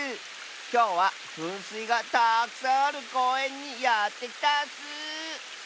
きょうはふんすいがたくさんあるこうえんにやってきたッス！